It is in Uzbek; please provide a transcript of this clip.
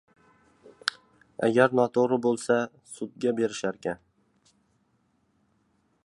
Agar noto‘g‘ri bo‘lsa, sudga berisharkan.